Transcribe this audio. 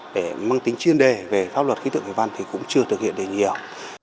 để mang tính chuyên đề về pháp luật khí tượng thủy văn thì cũng chưa thực hiện được nhiều